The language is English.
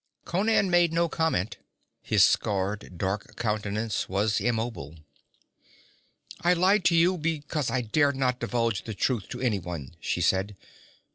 Conan made no comment; his scarred dark countenance was immobile. 'I lied to you because I dared not divulge the truth to anyone,' she said.